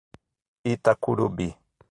Itacurubi